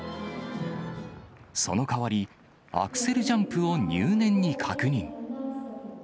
その代わり、アクセルジャンプを入念に確認。